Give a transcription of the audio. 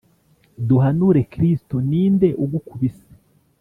Duhanure Kristo, ni nde ugukubise?